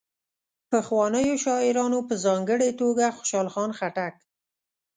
پخوانیو شاعرانو په ځانګړي توګه خوشال خان خټک.